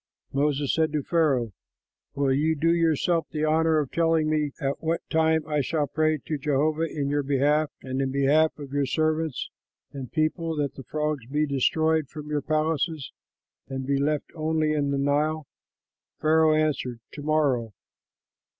Moses said to Pharaoh, "Will you do yourself the honor of telling me at what time I shall pray to Jehovah in your behalf and in behalf of your servants and people, that the frogs be destroyed from your palaces and be left only in the Nile?" Pharaoh answered, "To morrow."